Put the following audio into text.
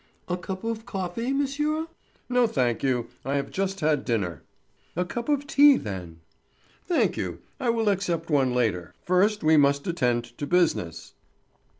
"A cup of coffee, monsieur?" "No, thank you. I have just had dinner." "A cup of tea, then?" "Thank you, I will accept one later. First we must attend to business."